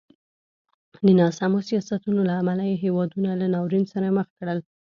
د ناسمو سیاستونو له امله یې هېوادونه له ناورین سره مخ کړل.